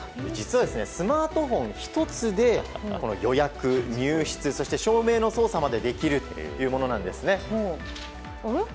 実はスマートフォン１つで予約、入室そして照明の操作までできるというものなんです。